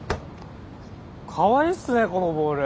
かわいいっすねこのボール。